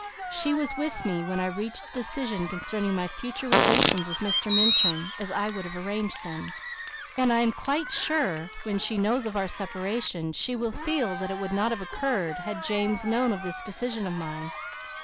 She was with me when I reached a decision concerning my future relations with Mr. Minturn, as I would have arranged them; and I am quite sure when she knows of our separation she will feel that it would not have occurred had James known of this decision of mine.